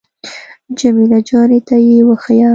جمیله جانې ته يې وښيه.